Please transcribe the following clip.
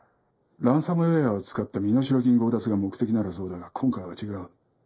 ランサムウェアを使った身代金強奪が目的ならそうだが今回は違う。